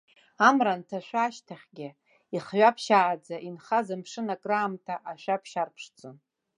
Амра анҭашәа ашьҭахьгьы, ихҩаԥшьааӡа инхаз амшын акраамҭа ашәаԥшь арԥшӡон.